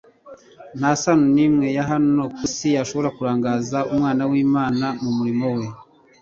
Nta sano n'imwe ya hano ku isi yashobora kurangaza Umwana w'Isumbabyose mu murimo we